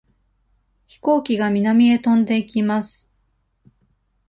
飛行機が南へ飛んでいきます。